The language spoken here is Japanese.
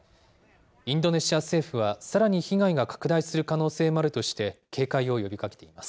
インドネシア政府はさらに被害が拡大する可能性もあるとして、警戒を呼びかけています。